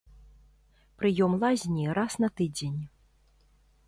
Прыём лазні раз на тыдзень.